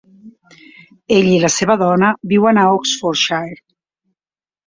Ell i la seva dona viuen a Oxfordshire.